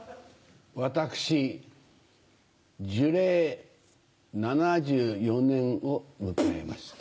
私樹齢７４年を迎えました。